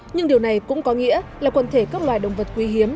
nhưng điều này cũng có nghĩa là quần thể các loài động vật quý hiếm